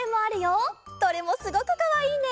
どれもすごくかわいいね！